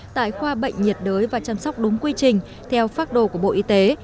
tại khoa bệnh nhiệt đới và chăm sóc đúng quy trình theo phác đồ của bộ y tế